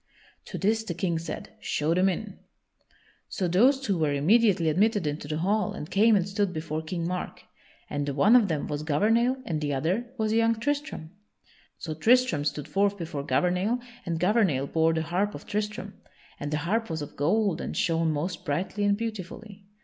To this the King said, "Show them in." [Sidenote: Tristram and Gouvernail come to Cornwall] So those two were immediately admitted into the hall and came and stood before King Mark; and the one of them was Gouvernail and the other was young Tristram. So Tristram stood forth before Gouvernail and Gouvernail bore the harp of Tristram, and the harp was of gold and shone most brightly and beautifully.